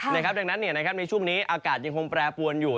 ดังนั้นในช่วงนี้อากาศยังคงแปรปวนอยู่